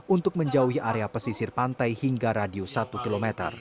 untuk menjauhi area pesisir pantai hingga radius satu km